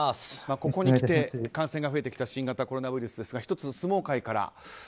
ここにきて感染が増えてきた新型コロナウイルスですが１つ、相撲界から。